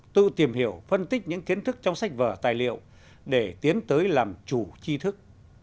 tự tìm hiểu phân tích những kiến thức trong sách vở tài liệu để tiến tới làm chủ chi thức